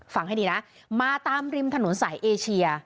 ฟังให้ดีนะมาตามริมถนนสายเอเชีย